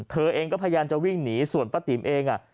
เธอเองก็พยายามจะวิ่งหนีส่วนป้าติ๋มเอง